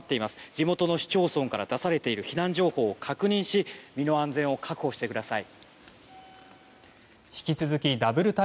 地元の市町村から出されている避難情報を確認し身の安全を確保してください。